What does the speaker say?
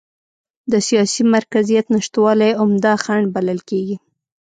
د سیاسي مرکزیت نشتوالی عمده خنډ بلل کېږي.